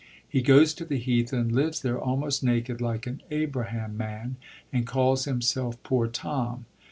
He goes to the heath, and lives there almost naked, like an 'Abraham man,* and calls himself Poor Tom.